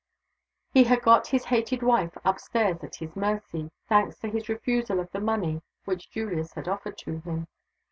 He had got his hated wife up stairs at his mercy thanks to his refusal of the money which Julius had offered to him.